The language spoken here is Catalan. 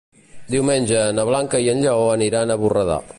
Diumenge na Blanca i en Lleó aniran a Borredà.